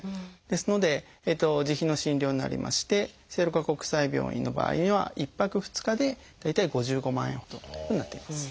ですので自費の診療になりまして聖路加国際病院の場合には１泊２日で大体５５万円ほどというふうになってます。